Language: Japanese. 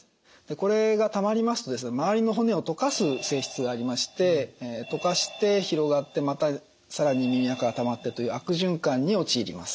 これがたまりますと周りの骨を溶かす性質がありまして溶かして広がってまた更に耳あかがたまってという悪循環に陥ります。